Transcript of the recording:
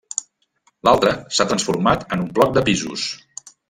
L'altra, s'ha transformat en un bloc de pisos.